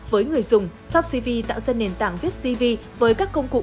với người dùng topcv tạo ra nền tảng viết cv với các công cụ